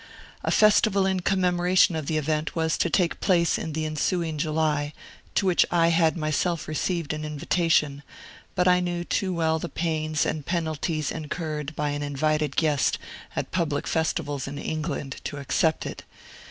A festival in commemoration of the event was to take place in the ensuing July, to which I had myself received an invitation, but I knew too well the pains and penalties incurred by an invited guest at public festivals in England to accept it.